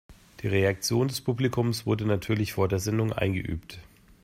Die Reaktion des Publikums wurde natürlich vor der Sendung eingeübt.